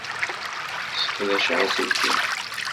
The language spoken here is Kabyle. Sseqdaceɣ aselkim.